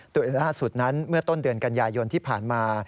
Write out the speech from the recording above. โดยล่าสุดนั้นเมื่อต้นเดือนกันยายนที่ผ่านมา